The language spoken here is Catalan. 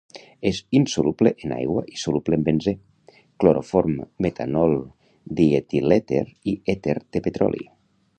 És insoluble en aigua i soluble en benzè, cloroform, metanol, dietilèter i èter de petroli.